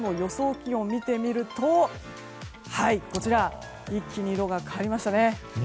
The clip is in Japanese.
気温を見てみると一気に色が変わりましたね。